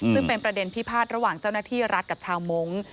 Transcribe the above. ซึ่งเป็นประเด็นพิพาทระหว่างเจ้าหน้าที่รัฐกับชาวมงค์